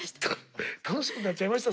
楽しくなっちゃいました？